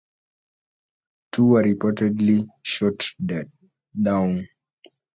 Two were reportedly shot down.